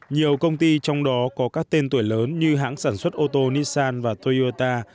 nhiều công ty trong đó có các tên tuổi lớn như hãng sản xuất ô tô nissan và toyota